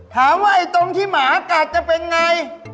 ถามว่าไอ้ตรงที่หมากัดจะเป็นไง